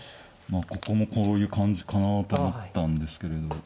ここもこういう感じかなと思ったんですけれど。